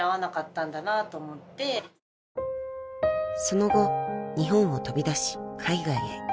［その後日本を飛び出し海外へ］